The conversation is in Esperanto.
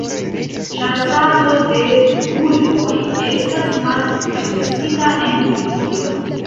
ĉasado de vulpoj estas malpermesita en Britio.